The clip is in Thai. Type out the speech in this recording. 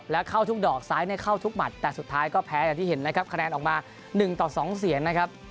แล้วเข้าทุกดอกซ้ายเนี่ยเข้าทุกหมัดแต่สุดท้ายก็แพ้อย่างที่เห็นนะครับคะแนนออกมา๑ต่อ๒เสียงนะครับ